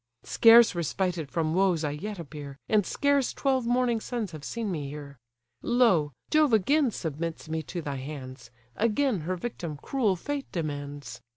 Scarce respited from woes I yet appear, And scarce twelve morning suns have seen me here; Lo! Jove again submits me to thy hands, Again, her victim cruel Fate demands!